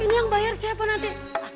ini yang bayar siapa nanti